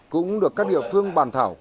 cũng được các địa phương bàn thảo